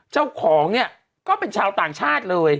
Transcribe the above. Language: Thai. เจ้าของเนี่ยก็เป็นชาวต่างชาติเลย